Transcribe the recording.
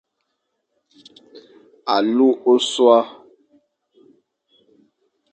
Alu ôsua.